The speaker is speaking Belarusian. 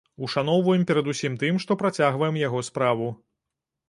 Ушаноўваем перадусім тым, што працягваем яго справу.